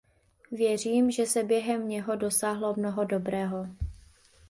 Věřím, že se během něho dosáhlo mnoho dobrého.